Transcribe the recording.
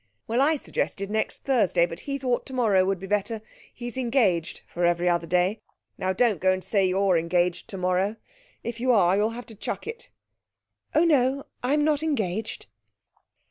'Well, I suggested next Thursday but he thought tomorrow would be better; he's engaged for every other day. Now don't go and say you're engaged tomorrow. If you are, you'll have to chuck it!' 'Oh no; I'm not engaged.'